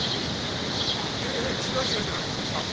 いやいや違う違う違う。